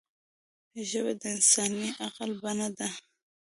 ژبه د انساني عقل بڼه ده